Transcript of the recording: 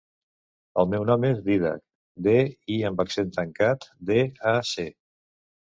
El meu nom és Dídac: de, i amb accent tancat, de, a, ce.